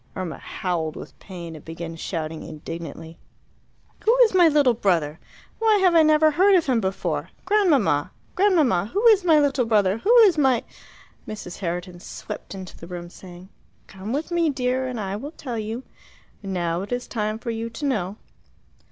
Irma howled with pain, and began shouting indignantly, "Who is my little brother? Why have I never heard of him before? Grandmamma! Grandmamma! Who is my little brother? Who is my " Mrs. Herriton swept into the room, saying, "Come with me, dear, and I will tell you. Now it is time for you to know."